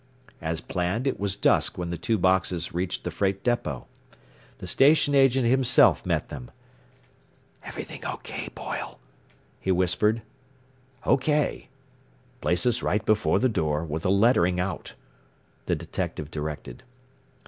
As planned, it was dusk when the two boxes reached the freight depot. The station agent himself met them. "Everything O K, Boyle?" he whispered. "O K. Place us right before the door, with the lettering out," the detective directed.